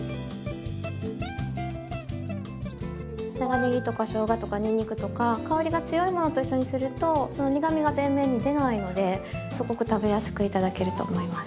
長ねぎとかしょうがとかにんにくとか香りが強いものと一緒にするとその苦みが前面に出ないのですごく食べやすく頂けると思います。